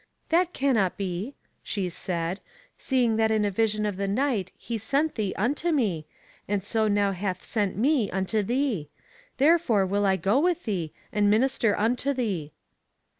That cannot be, she said, seeing that in a vision of the night he sent thee unto me, and so now hath sent me unto thee. Therefore will I go with thee, and minister unto thee.